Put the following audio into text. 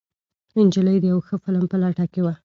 نجلۍ د یو ښه فلم په لټه کې وه.